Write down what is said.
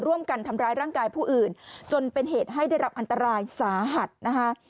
ร่วมกันทำร้ายร่างกายผู้อื่นจนเป็นเหตุให้ได้รับอันตรายสาหัสนะคะ